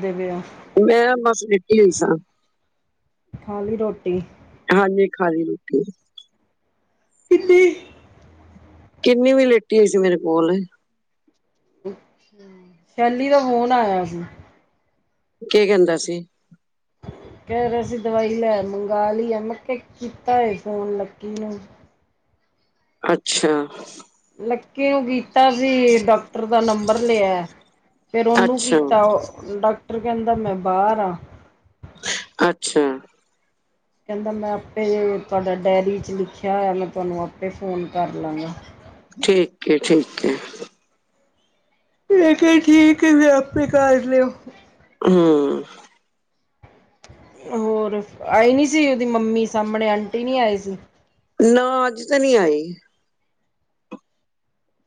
ਦਿਵਿਆ। ਮੈਂ ਬਸ ਲੇਟੀ ਹੋਈ ਸਾਂ। ਖਾਲੀ ਲਈ ਰੋਟੀ। ਹਾਂਜੀ ਖਾਲੀ ਰੋਟੀ ਅਸੀਂ। ਕਿਤੇੇ ਗਿਨੀ ਵੀ ਲੇਟੀ ਸੀ ਮੇਰੇ ਕੋਲ। ਸ਼ੈਲੀ ਦਾ ਫੋਨ ਆਇਆ ਸੀ। ਕੀ ਕਹਿੰਦਾ ਸੀ? ਕਹਿ ਰਹੀ ਸੀ ਦਵਾਈ ਲੈ ਮੰਗ ਲਈ ਆ ਮੈਂ ਕਿਹਾ ਕੀਤਾ ਏ ਫੋਨ ਲੱਕੀ ਨੂੰ। ਅੱਛਾ। ਲੱਕੀ ਨੂੰ ਕੀਤਾ ਸੀ ਡਾਕਟਰ ਦਾ ਨੰਬਰ ਲਿਆ ਫੇਰ ਉਹਨੂੰ ਅੱਛਾ ਕੀਤਾ। ਡਾਕਟਰ ਕਹਿੰਦਾ ਮੈਂ ਬਾਹਰ ਆ। ਅੱਛਾ ਕਹਿੰਦਾ ਮੈਂ ਆਪੇ ਜੇ ਤੁਹਾਡਾ ਡਾਇਰੀ 'ਚ ਲਿਖਿਆ ਹੋਇਆ ਮੈਂ ਤੁਹਾਨੂੰ ਆਪੇ ਫੋਨ ਕਰ ਲਾਂਗਾ। ਠੀਕ ਹੈ, ਠੀਕ ਏ। ਠੀਕ ਹੈ, ਠੀਕ ਹੈ, ਫਿਰ ਆਪੇ ਕਰ ਲਓ। ਹਮ। ਹੋਰ ਆਈ ਨਹੀਂ ਸੀ ਉਹਦੀ ਮੰਮੀ ਸਾਹਮਣੇ ਆਂਟੀ ਨਹੀਂ ਆਈ ਸੀ। ਨਾ ਅੱਜ ਤਾਂ ਨਹੀਂ ਆਈ।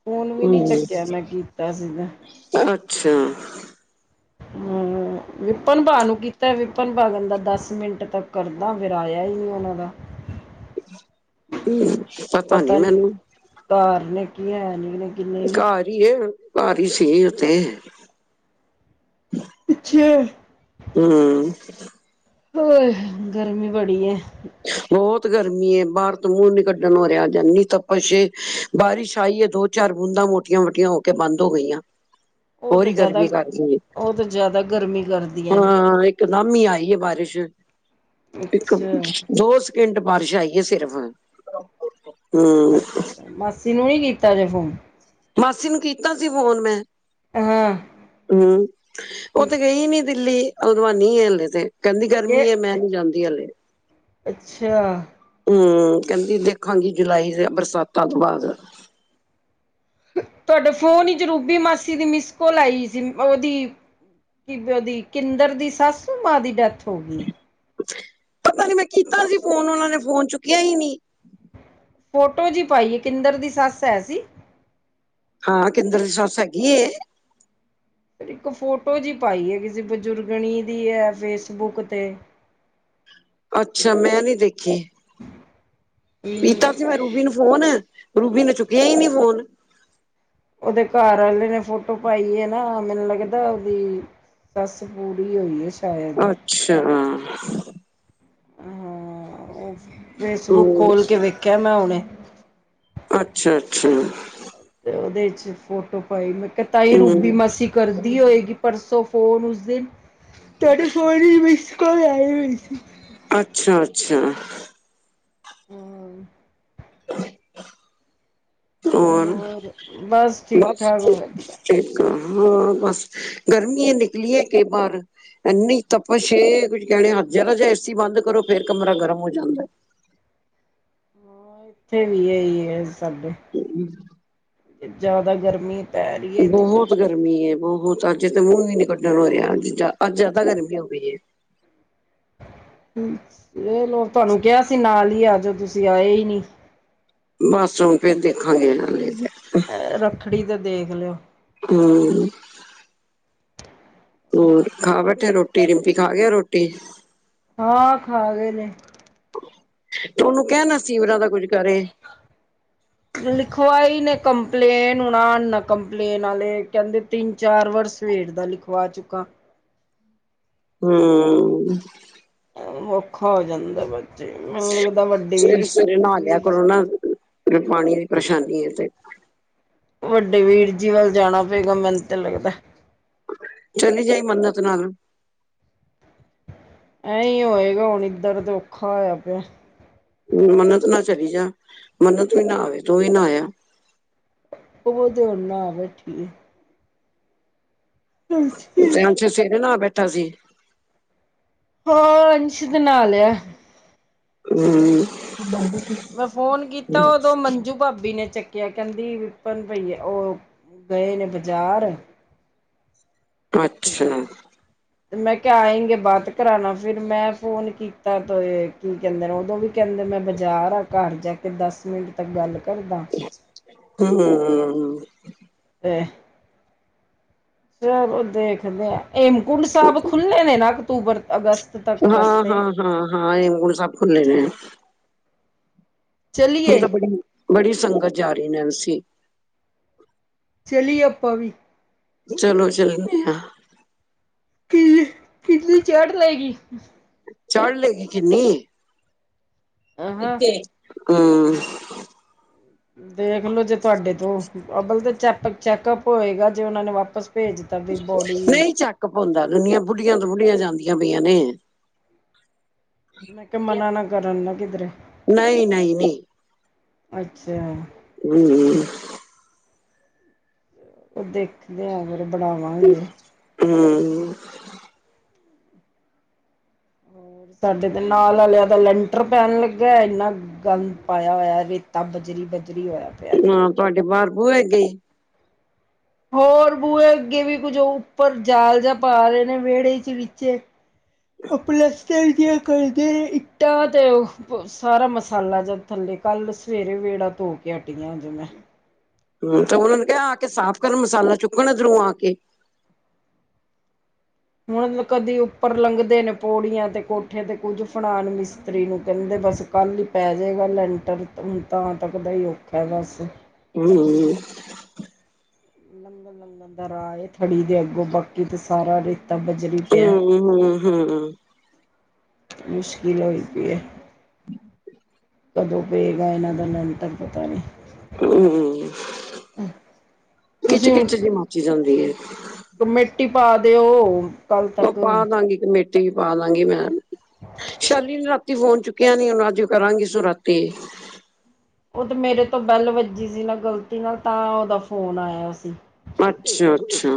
ਫੋਨ ਵੀ ਨੀ ਚੱਕਿਆ ਮੈਂ ਕੀਤਾ ਸੀ ਤੇ। ਹਮ ਅੱਛਾ। ਹਮ ਵਿਪਨ ਭਾ ਨੂੰ ਕੀਤਾ ਵਿਪਨ ਭਾ ਕਹਿਂਦਾ ਦਸ ਮਿੰਟ ਤੱਕ ਕਰਦਾ। ਦਾ ਫੇਰ ਆਇਆ ਹੀ ਨਹੀਂ ਉਹਨਾਂ ਦਾ। ਹਮ ਪਤਾ ਨਹੀ ਮੈਨੂੰ। ਧਾਰਨ ਕੀ ਹੈ ਨਹੀਂ। ਕਿ ਘਰ ਹੀ ਏ ਭਾਰੀ ਸੀ ਉਹ ਤੇ। ਪਿੱਛੇ ਹਮ ਹੋਰ, ਗਰਮੀ ਬੜੀ ਏ। ਬਹੁਤ ਗਰਮੀ ਏ ਬਾਹਰ ਤੋਂ ਮੂੰਹ ਨੀ ਕੱਢਣ ਹੋ ਰਿਹਾ ਇਨੀ ਤਪਸ਼ ਏ। ਬਾਰਿਸ਼ ਆਈ ਹੈ ਦੋ ਚਾਰ ਬੂੰਦਾਂ ਮੋਟੀਆਂ ਮੋਟੀਆਂ ਹੋ ਕੇ ਬੰਦ ਹੋ ਗਈਆਂ। ਉਹ ਹੋਰ ਤੇ ਹੀ ਜ਼ਿਆਦਾ ਗਰਮੀ ਕਰ ਗਈ ਹੈ ਉਹ ਤੇ ਜ਼ਿਆਦਾ ਗਰਮੀ ਕਰਦੀ ਹੈ। ਇਕ ਦਮ ਈ ਆਈ ਹੈ ਬਾਰਿਸ਼ ਇੱਕ। ਅੱਛਾ ਦੋ ਸਕਿੰਟ ਬਾਰਿਸ਼ ਆਈ ਹੈ ਸਿਰਫ। ਹਮ ਅੱਛਾ, ਮਾਸੀ ਨੂੰ ਨੀ ਕੀਤਾ ਜੇ ਫੋਨ। ਮਾਸੀ ਨੂੰ ਕੀਤਾ ਸੀ ਫੋਨ ਮੈਂ। ਹਾਂ ਹਮ ਉਹ ਠੀਕ ਤੇ ਗਈ ਨੀ ਦਿੱਲੀ ਅਗਵਾਨੀ ਏ ਹਲੇ ਤੇ। ਕਹਿੰਦੀ ਗਰਮੀ ਹੈ ਮੈਂ ਨੀ ਜਾਂਦੀ ਹਲੇ। ਅੱਛਾ। ਹਮ ਕਹਿੰਦੀ ਦੇਖਾਂਗੀ ਜੁਲਾਈ ਦੇ ਬਰਸਾਤਾਂ ਤੋਂ ਬਾਅਦ। ਤੁਹਾਡੇ ਫੋਨ ਵਿੱਚ ਰੂਬੀ ਮਾਸੀ ਦੀ ਮਿਸ ਕੋਲ ਆਈ ਸੀ। ਉਹਦੀ ਕਿਦਣ ਦੀ ਕਿੰਦਰ ਦੀ ਸਾਸੂ ਮਾਂ ਦੀ ਡੈਥ ਹੋ ਗਈ ਹੈ? ਪਤਾ ਨੀ ਮੈਂ ਕੀਤਾ ਸੀ ਫੋਨ ਉਹਨਾਂ ਨੇ ਫੋਨ ਚੁੱਕਿਆ ਹੀ ਨਹੀਂ। ਫੋਟੋ ਜਿਹੀ ਪਾਈ ਏ ਕਿਂਦਰ ਦੀ ਸੱਸ ਹੈ ਸੀ? ਹਾਂ, ਕਿਂਦਰ ਦੀ ਸੱਸ ਹੈਗੀ ਏ। ਫਿਰ ਇੱਕ ਫੋਟੋ ਜਿਹੀ ਪਾਈ ਹੈ ਕਿਸੇ ਬਜ਼ੁਰਗਣੀ ਦੀ ਹੈ ਫੇਸਬੁੱਕ ਤੇ। ਅੱਛਾ ਮੈਂ ਨੀ ਦੇਖੀ ਹਮ ਪੀਤਾ ਸੀ ਮੈਂ। ਰੂਬੀ ਨੂੰ ਫੋਨ, ਰੂਬੀ ਨੇ ਚੁੱਕਿਆ ਹੀ ਨੀ ਫੋਨ। ਉਹਦੇ ਘਰ ਆਲੇ ਨੇ ਫੋਟੋ ਪਾਈ ਏ ਨਾ, ਮੈਨੂੰ ਲੱਗਦਾ ਉਹਦੀ ਸੱਸ ਪੂਰੀ ਹੋਈਏ, ਸ਼ਾਇਦ। ਅੱਛਾ! ਹਾਂ, ਓ ਫੇਸਬੁੱਕ ਹਮ ਖੋਲਕੇ ਵੇਖਿਆ ਮੈਂ ਹੁਣੇ। ਅੱਛਾ-ਅੱਛਾ। ਅਤੇ ਉਹਦੇ ਈਚ ਫੋਟੋ ਪਾਈ, ਮੈਂ ਕਿਹਾ ਤਾਈ ਰੂਬੀ ਹਮ ਮਾਸੀ ਕਰਦੀ ਹੋਇਗੀ। ਪਰਸੋ ਫੋਨ ਉਸ ਦਿਨ, ਤੁਹਾਡੇ ਫੋਨ ਈਚ ਮਿਸ ਕੌਲ ਆਈ ਹੋਈ ਸੀ। ਅੱਛਾ-ਅੱਛਾ। ਹੋਰ? ਹੋਰ, ਠੀਕ ਬਸ ਠਾਕ ਵਧੀਆ ਹਾਂ ਬਸ, ਗਰਮੀ ਏ ਨਿਕਲੀਏ ਕੇ ਬਾਹਰ। ਇੰਨੀ ਤਪਸ਼ ਏ, ਕੁੱਝ ਕਹਿਣੇ ਹੱਦ। ਜ਼ਰਾ ਜਾ ਏਸੀ ਬੰਦ ਕਰੋ, ਫੇਰ ਕਮਰਾ ਗਰਮ ਹੋ ਜਾਂਦਾ। ਹਾਂ, ਇੱਥੇ ਵੀ ਯੇਹੀ ਏ, ਸਭ। ਹੂੰ। ਜ਼ਿਆਦਾ ਗਰਮੀ ਪੈ ਰਹੀ ਹੈ ਇਤਨੀ ਬਹੁਤ ਗਰਮੀ ਏ, ਬਹੁਤ। ਅੱਜ ਤਾਂ ਮੂੰਹ ਵੀ ਨੀ ਕੱਢਣ ਹੋ ਰਿਹਾ ਅੱਜ, ਅੱਜ ਜਿਆਦਾ ਗਰਮੀ ਹੋ ਗਈ ਏ। ਇਹ ਲੋਕ ਤੁਹਾਨੂੰ ਕਿਹਾ ਸੀ ਨਾਲ ਹੀ ਆਜੋ ਤੁਸੀ, ਆਏ ਹੀ ਨੀ। ਬਸ ਹੁਣ ਫੇਰ ਦੇਖਾਂਗੇ ਹਲੇ ਜ ਰੱਖੜੀ ਤੇ ਦੇਖ ਲਿਓ। ਹੂੰ ਹੋਰ ਖਾ ਬੈਠੇ ਰ੍ਹੋਟੀ? ਰਿੰਪੀ ਖਾਗਿਆ ਰੋਟੀ? ਹਾਂ, ਖਾ ਗਏ ਨੇ। ਤੂ ਉਹਨੂੰ ਕਹਿ ਨਾ, ਸੀਵਰਾਂ ਦਾ ਕੁੱਝ ਕਰੇ। ਹਾਂ ਲਿਖਵਾਈ ਨੇ ਕੰਪਲੇਨ, ਹੁਣ ਆਣ ਕੰਪਲੇਨ ਵਾਲੇ। ਕਹਿੰਦੇ ਤਿੰਨ-ਚਾਰ ਵਾਰ ਸਵੇਰ ਦਾ ਲਿਖਵਾ ਚੁੱਕਾਂ। ਹੂੰ। ਔਖਾ ਹੋ ਜਾਂਦਾ ਬਾਅ'ਚ। ਸਵੇਰੇ-ਸਵੇਰੇ ਨਹਾਲਿਆ ਵੀਰ ਕਰੋ ਨਾ। ਪਾਣੀ ਦੀ ਪਰੇਸ਼ਾਨੀ ਹੈ, ਤੇ। ਵੱਡੇ ਵੀਰ-ਜੀ ਵੱਲ ਜਾਣਾ ਪਏਗਾ, ਮੈਨੂੰ ਤੇ ਲੱਗਦਾ। ਚਲੀ ਜਾਈ ਮੰਨਤ ਨਾਲ। ਐਂਹੀ ਹੋਇਗਾ, ਹੁਣ ਇੱਧਰ ਤਾਂ ਔਖਾ ਹੋਇਆ ਪਿਆ। ਮੰਨਤ ਨਾਲ ਚਲੀ ਜਾ, ਮੰਨਤ ਵੀ ਨਹਾ ਆਵੇ, ਤੂੰ ਵੀ ਨਹਾਇਆ ਆਇਆ। ਉਹ ਤੇ ਹੁਨ, ਨ੍ਹਾ‌ ਬੈਠੀ ਏ। ਟਾਈਮਸਿਰ ਸਵੇਰੇ ਨ੍ਹਹਾ ਬੈਠਾ ਸੀ। ਹੋਰ, ਅੰਸ਼ ਤੇ ਨਹਾਲਿਆ। ਹੂੰ। ਮੈਂ ਫੋਨ ਕੀਤਾ, ਉਦੋਂ ਮੰਜੂ ਭਾਬੀ ਨੇ ਚੱਕ ਕਿਆ ਕਹਿੰਦੀ, ਵਿਪਨ ਭਈਆ, ਉਹ ਗਏ ਨੇ ਬਜ਼ਾਰ। ਅੱਛਾ। [inaudible] ਮੈਂ ਕਿਹਾ ਆਏਂਗੇ ਬਾਤ ਕਰਾਨਾ। ਫਿਰ ''ਮੈਂ ਫੋਨ ਕੀਤਾ ਤ ਏ, ਕੀ ਕਹਿੰਦੇ ਨੇ, ਉਦੋਂ ਵੀ ਕਹਿੰਦੇ ਮੈਂ ਬਾਜ਼ਾਰ ਆਂ, ਘਰ ਜਾਕੇ ਦਸ-ਮਿੰਟ ਤੱਕ ਗੱਲ ਕਰਦਾ। ਹੂੰ, ਹੂੰ ਤੇ, ਚਲੋ ਦੇਖਦੇ ਆਂ। ਹੇਮਕੁੰਡ ਸਾਹਿਬ ਖੁੱਲ੍ਹੇ ਨੇ ਨਾ, ਅਕਤੂਬਰ, ਅਗਸਤ? ਤੱਕ ਰਸਤੇ। ਹਾਂ-ਹਾਂ-ਹਾਂ-ਹਾਂ, ਹੇਮਕੁੰਟ ਸਾਹਿਬ ਖੁੱਲ੍ਹੇ ਨੇ। ਹੁਣ ਚਲੀਏ ਤਾਂ ਬੜੀ, ਬੜੀ ਸੰਗਤ ਜਾ ਰਹੀ, ਨੈਨਸੀ। ਚਲੀਏ ਆਪਾ ਵੀ। ਚਲੋ ਚੱਲਦੇ ਹਾਂ। ਕੀ ਕਿਨੀ ਚੜ ਲਏਗੀ। ਚੜ੍ਹ ਲੇਗੀ ਕਿੰਨੀ। ਅਹਾਂ ਕਿਤੇ ਹੂੰ। ਦੇਖਲੋ ਜੇ ਤੁਹਾਡੇ ਤੋਂ। ਅਬਲ ਤੇ ਚੈਪਕ-ਚੈੱਕਅਪ ਹੋਏਗਾ ਜੇ ਉਹਨਾ ਨੇ ਵਾਪਸ ਭੇਜ ਤਾ ਵੀ ਬੋਡੀ ਨਹੀਂ ਚੈੱਕਅੱਪ ਹੁੰਦਾ। ਦੁਨੀਆਂ ਬਾੜੀਆ ਤੋ ਬੁੜੀਆਂ ਜਾਂਦੀਆਂ ਪਈਆਂ ਨੇ। ਮੈਂ ਕਿਹਾ ਮਨਾ ਨਾ ਕਰਨ ਨਾ ਕਿਧਰੇ, ਨਹੀਂ ਨਹੀਂ ਨਹੀਂ ਅੱਛਾ। ਹੂੰ। ਦੇਖਦੇ ਹਾਂ ਫਿਰ ਬਣਾਵਾਂਗੇ। ਹੂੰ। ਸਾਡੇ ਤੇ ਨਾਲ ਵਾਲਿਆ ਦਾ ਲੈਂਟਰ ਪੈਣ ਲੱਗਿਆ ਇੰਨਾ ਗੰਦ ਪਾਇਆ ਹੋਇਆ। ਰੇਤਾ, ਬਜਰੀ-ਬਜਰੀ ਹੋਇਆ ਪਿਆ। ਹਾਂ ਤੁਹਾਡੇ ਬਾਹਰ ਬੁਏ ਅਗੇ ਹੀ। ਹੋਰ ਬੂਹੇ ਅੱਗੇ ਵੀ ਕੁੱਝ ਉੱਪਰ ਜਾਲ ਜਾ ਪਾ ਰਹੇ ਨੇ ਵਿਹੜੇ ਚ ਵਿਚੇ ਉਹ ਪਲਸਤਰ ਜਿਹਾ ਕਰਦੇ ਇੱਟਾਂ ਤੇ ਉਹ ਸਾਰਾ ਮਸਾਲਾ ਜਿਹਾ ਥੱਲੇ ਕੱਲ ਸਵੇਰੇ ਵੇੜਾ ਧੋ ਕੇ ਹਟੀ ਆਂ ਅਜੇ ਮੈਂ ਹੂੰ ਤੇ ਉਹਨਾਂ ਨੂੰ ਕਿਹਾ ਆ ਕੇ ਸਾਫ਼ ਕਰਨ ਮਸਾਲਾ ਚੁੱਕਣ ਏਧਰੋਂ ਆ ਕੇ। ਹੁਣ ਕਦੀ ਉੱਪਰ ਲੰਘਦੇ ਨੇ ਪੌੜੀਆਂ ਤੇ ਕੋਠੇ ਤੇ ਕੁੱਝ ਫੜਾਉਣ ਮਿਸਤਰੀ ਨੂੰ ਕਹਿੰਦੇ ਬਸ ਕੱਲ੍ਹ ਹੀ ਪੈ ਜਾਵੇਗਾ ਲੈਂਟਰ ਹੁਣ ਤਾਂ ਤੱਕ ਦਾ ਹੀ ਔਖਾ ਬਸ। ਹੂੰ। ਲੰਘਣ ਲੰਘਣ ਦਾ ਰਾਹ ਏ ਥੜੀ ਦੇ ਅੱਗੋਂ ਬਾਕੀ ਤੇ ਸਾਰਾ ਰੇਤਾ ਬਜਰੀ ਪਿਆ ਹੂੰ ਹੂੰ ਹੂੰ। ਮੁਸ਼ਕਿਲ ਹੋ ਪਈ ਹੈ। ਕਦੋਂ ਪਏਗਾ ਇਹਨਾਂ ਦਾ ਲੈਟਰ ਮੈਨੂੰ ਤਾਂ ਪਤਾ ਨੀ। ਖਿੱਚ ਖਿੱਚ ਜਿਹੀ ਮਾਚੀ ਜਾਂਦੀ ਹੈ। ਮਿੱਟੀ ਪਾ ਦਿਓ। ਕੱਲ ਉਹ ਤੱਕ ਪਾਦਾਂਗੀ ਕਮੇਟੀ ਵੀ ਪਾਦਾਗੀ ਮੈਂ, ਸ਼ੈਲੀ ਨੇ ਰਾਤੀ ਫੋਨ ਚੁੱਕਿਆ ਨੀ ਹੁਣ ਅੱਜ ਕਰਾਂਗੀ ਰਾਤੀ। ਉਹ ਤੇ ਮੇਰੇ ਤੋਂ ਬੈਲ ਵੱਜੀ ਸੀ ਨਾ ਗ਼ਲਤੀ ਨਾਲ ਤਾਂ ਉਹਦਾ ਫੋਨ ਆਇਆ ਸੀ। ਅੱਛਾ-ਅੱਛਾ,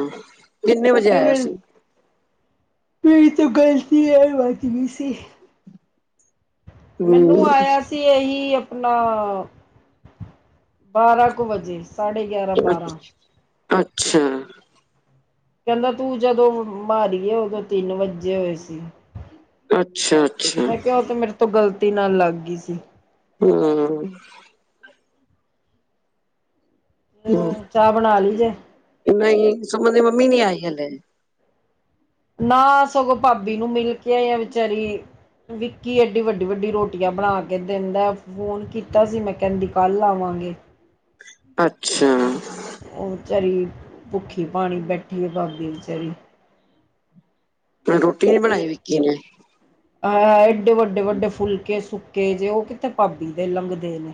ਕਿੰਨੇ ਮੈਂ ਵਜੇ ਕਿਹਾ ਆਇਆ ਮੇਰੀ ਸੀ। ਮੇਰੀ ਤਾਂ ਗ਼ਲਤੀ ਨਾਲ ਵੱਜ ਗਈ ਸੀ। ਹੂੰ, ਮੈਨੂੰ ਆਇਆ ਸੀ ਇਹੀ ਆ ਨਾ, ਬਾਰਾਂ ਕੁ ਵਜੇ ਸਾਢੇ ਗਿਆਰਾਂ ਬਾਰਾਂ ਅੱਛਾ। ਕਹਿੰਦਾ ਤੂੰ ਜਦੋਂ ਮਾਰੀਏ ਉਦੋਂ ਤਿੰਨ ਵੱਜੇ ਹੋਏ ਸੀ। ਅੱਛਾ-ਅੱਛਾ। ਮੈਂ ਕਿਹਾ ਉਹ ਤੇ ਮੇਰੇ ਤੋਂ ਗਲਤੀ ਨਾਲ ਲੱਗ ਗਈ ਸੀ। ਹਾ। ਤੇ ਹੂੰ, ਚਾਹ ਬਣਾ ਲਈ ਜੇ। ਨਹੀਂ, ਸੁਮਨ ਦੀ ਮੰਮੀ ਨੀ ਆਈ ਹਲੇ। ਨਾ, ਸਗੋਂ ਭਾਬੀ ਨੂੰ ਮਿਲ ਕੇ ਆ ਜਾਂ ਵਿਚਾਰੀ ਵਿਕੀ ਐਡੀ ਵੱਡੀ-ਵੱਡੀ ਰੋਟੀਆਂ ਬਣਾ ਕੇ ਦਿੰਦਾ। ਫੋਨ ਕੀਤਾ ਸੀ ਮੈਂ ਕਹਿੰਦੀ ਕੱਲ ਆਵਾਂਗੇ। [inaudible] ਅੱਛਾ। ਉਹ ਵਿਚਾਰੀ ਭੁੱਖੀ ਪਾਣੀ ਬੈਠੀਏ ਭਾਬੀ ਵਿਚਾਰੀ। ਹੁਣ ਰੋਟੀ ਨੀ ਬਣਾਈ ਵਿੱਕੀ ਨੇ। ਅਹ ਐਏ ਡੇ ਵੱਡੇ ਵੱਡੇ ਫੁਲਕੇ ਸੁੱਕੇ ਜੇ ਉਹ ਕਿਤੇ ਭਾਬੀ ਦੇ ਲੰਘਦੇ ਨੇ।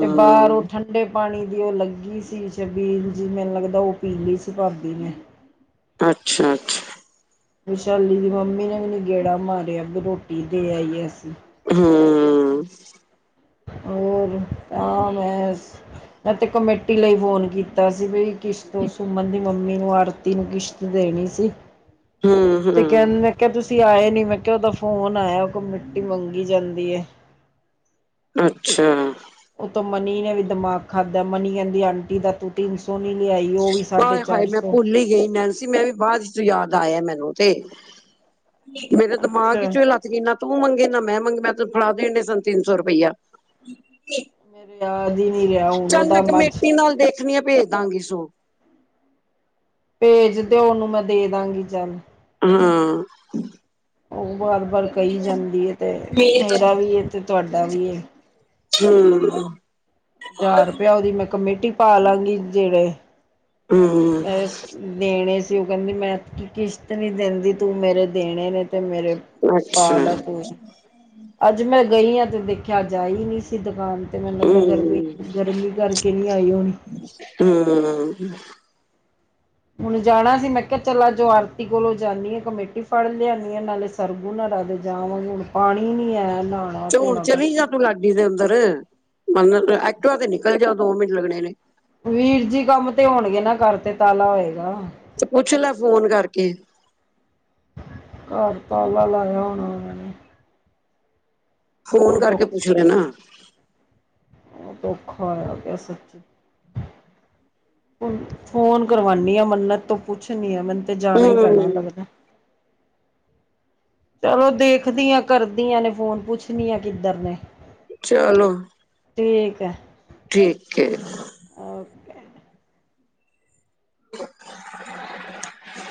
ਤੇ ਬਾਹਰ ਠੰਡੇ ਪਾਣੀ ਦੀ ਉਹ ਲੱਗੀ ਸੀ ਛਬੀਲ ਜੀ ਮੈਨੂੰ ਲੱਗਦਾ ਉਹ ਪੀ ਲਈ ਸੀ ਭਾਬੀ ਨੇ। ਅੱਛਾ ਅੱਛਾ। ਵਿਸ਼ਾਲੀ ਦੀ ਮੰਮੀ ਨੇ ਵੀ ਨਹੀ ਗੇੜਾ ਮਾਰਿਆ ਵੀ ਰੋਟੀ ਦੇ ਆਈਏ ਅਸੀਂ। ਹੂੰ। ਹੋਰ ਆਮ ਐਸ ਇਹ ਤੇ ਕਮੇਟੀ ਲਈ ਫੋਨ ਕੀਤਾ ਸੀ ਬਈ ਕਿਸ਼ਤ ਸੁਮਨ ਦੀ ਮੰਮੀ ਨੂੰ ਆੜਤੀ ਨੂੰ ਕਿਸ਼ਤ ਦੇਣੀ ਸੀ ਹੂੰ, ਤੇ ਹੂੰ। ਕਹਿੰਦੇ ਕਹਿੰਦੇ ਤੁਸੀਂ ਆਏ ਨਹੀਂ ਮੈਂ ਕਿਹਾ ਉਹਦਾ ਫੋਨ ਆਇਆ ਉਹ ਕਮੇਟੀ ਮੰਗੀ ਜਾਂਦੀ ਹੈ। ਅੱਛਾ। ਉੱਤੋਂ ਮਨੀ ਨੇ ਵੀ ਦਿਮਾਗ ਖਾਧਾ ਮਨੀ ਕਹਿੰਦੀ ਆਂਟੀ ਦਾ ਤੂੰ ਤਿੰਨ ਸੌ ਨੀ ਲਿਆਈ ਉਹ ਵੀ ਸਾਢੇ ਚਾਰ ਸੌ ਨਹੀਂ ਗਈ ਸੀ ਨਾਲ ਸੀ ਮੈਂ ਵੀ। ਬਾਅਦ 'ਚ ਯਾਦ ਆਇਆ ਮੈਨੂੰ ਤੇ ਮੇਰੇ ਦਿਮਾਗ ਅੱਛਾ ਚੋਂ ਲਤ ਤਕਰੀਨਾ ਤੂੰ ਮੰਗੇ ਨਾ ਮੈਂ ਮੰਗੇ ਮੈਂ ਤਾਂ ਫੜਾ ਤੇ ਸਾਢੇ ਤਿੰਨ ਸੌ ਰੁਪਇਆ। ਮੇਰੇ ਯਾਦ ਹੀ ਨੀ ਰਿਹਾ ਹੁਣ ਉਹਦਾ ਬਾਅਦ 'ਚ ਕਹਿੰਦੀਆਂ ਭੇਜ ਦਾਂਗੇ ਸੌ। ਭੇਜ ਦਿਓ ਉਹਨੂੰ ਮੈਂ ਦੇ ਦਾਂਗੀ ਚੱਲ। ਹੂੰ। ਉਹ ਵਾਰ ਵਾਰ ਕਹੀ ਜਾਂਦੀ ਹੈ ਤੇ ਮੇਰਾ ਵੀ ਹੈ ਤੇ ਤੁਹਾਡਾ ਵੀ ਹੈ। ਹੂੰ। ਹਜ਼ਾਰ ਰੁਪਇਆ ਉਹਦੀ ਮੈਂ ਕਮੇਟੀ ਪਾ ਲਾਂਗੀ ਜਿਹੜੇ ਹੂੰ। ਮੈਂ ਦੇਣੇ ਸੀ ਉਹ ਕਹਿੰਦੀ ਮੈਂ ਕੀ ਕਿਸ਼ਤ ਨਹੀਂ ਦਿੰਦੀ ਤੂੰ ਮੇਰੇ ਦੇਣੇ ਨੇ। ਤੇ ਮੇਰੇ ਅੱਛਾ ਪਾਲਾ ਤੂੰ। ਅੱਜ ਮੈਂ ਗਈ ਹਾਂ ਤੇ ਦੇਖਿਆਂ ਜਾਈ ਨਹੀਂ ਸੀ ਦੁਕਾਨ। ਤੇ ਮੈਨੂੰ ਲੱਗਦਾ ਗਰਮੀ ਹੂੰ ਗਰਮੀ ਕਰਕੇ ਨਹੀਂ ਆਈ ਹੋਣੀ। ਹੂੰ। ਹੁਣ ਜਾਣਾ ਸੀ, ਮੈਂ ਕਿਹਾ ਚੱਲ ਅੱਜੋ ਆਰਤੀ ਕੋਲੋਂ ਜਾਂਦੀ ਆ ਕਮੇਟੀ ਫੜ ਲਿਆਦੀ ਆ ਨਾਲੇ ਸਰਗੁਨ ਹੋਰਾ ਦੇ ਜਾਵਾਂਗੀ ਹੁਣ ਪਾਣੀ ਨਹੀਂ ਆਇਆ ਨਹਾਉਣ ਚ ਹੁਣ ਚਲੀ ਜਾ ਤੂੰ ਲਾਡੀ ਦੇ ਅੰਦਰ ਮੰਨ ਐਕਟੀਵਾ ਤੇ ਨਿਕਲ ਜਾ ਦੋ ਮਿੰਟ ਲੱਗਣੇ ਨੇ। ਵੀਰ ਜੀ ਕੰਮ ਤੇ ਹੋਣਗੇ ਨਾ ਘਰ ਤੇ ਤਾਲਾ ਹੋਏਗਾ। ਤੇ ਪੁੱਛ ਲੈ ਫੋਨ ਕਰਕੇ। ਘਰ ਤਾਲਾ ਲਾਇਆ ਹੋਣਾ ਉਹਨਾ ਨੇ। ਫੋਨ ਬਹੁਤ ਕਰਕੇ ਪੁੱਛ ਲੈਣਾ। ਔਖਾ ਹੋਇਆ ਪਿਆ ਸੱਚੀ। ਹੂੰ ਫੋਨ ਕਰਵਾਉਣੀ ਆ ਮੰਨਤ ਤੋਂ ਕੁਛ ਨਹੀਂ ਆ ਮੈਨੂੰ ਤੇ ਜਾਣਾ ਹੀ ਪੈਣਾ ਹੂੰ ਲੱਗਦਾ। ਚਲੋ ਦੇਖਦੀ ਹਾਂ ਕਰਦੀਆਂ ਨੇ ਫੋਨ ਪੁੱਛਦੀ ਆ ਕਿੱਧਰ ਨੇ। ਚਲੋ। ਠੀਕ ਹੈ। ਠੀਕ ਹੈ। ਓਕੇ [inaudible]